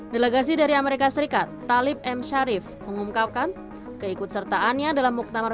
delegasi dari amerika serikat talib m sharif mengungkapkan keikut sertaannya dalam muktamar